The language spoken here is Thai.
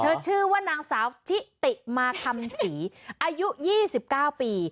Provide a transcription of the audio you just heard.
ชื่อว่านางสาวทิติมาคำศรีอายุ๒๙ปี